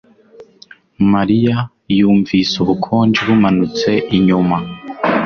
mariya yumvise ubukonje bumanutse inyuma